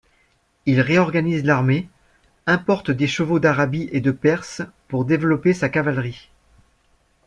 Il réorganise l'armée, importe des chevaux d'Arabie et de Perse pour développer sa cavalerie.